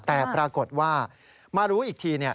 แต่ปรากฏว่ามารู้อีกที